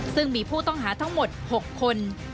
ซึ่งมีผู้ต้องหาทั้งหมด๖คน